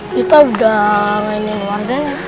kita udah ngajakin warganya